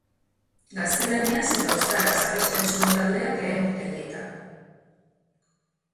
Gaztelaniaz eta euskaraz abesten zuen taldeak lehen urte haietan.